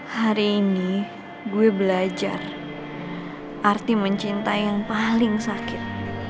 hari ini gue belajar arti mencintai yang paling sakit